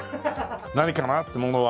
何かな？ってものは。